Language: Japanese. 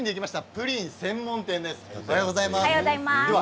プリン専門店です。